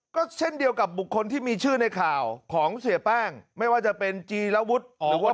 ก็เช่นเดียวกับบุคคลที่มีชื่อในข่าวของเสียแป้งไม่ว่าจะเป็นจีระวุฒิหรือว่า